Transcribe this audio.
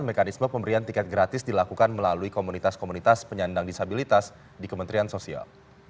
mekanisme pemberian tiket gratis dilakukan melalui komunitas komunitas penyandang disabilitas di kementerian sosial